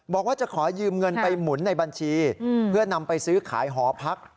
บอกว่าจะขอยืมเงินไปหมุนในบัญชีเพื่อนำไปซื้อขายหอพัก